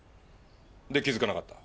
で気づかなかった。